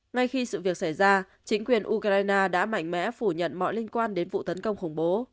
ngay khi sự việc xảy ra chính quyền ukraine đã mạnh mẽ phủ nhận mọi liên quan đến vụ tấn công khủng bố